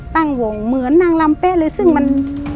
ตั้งวงเหมือนนางลำเป๊ะเลยซึ่งมัน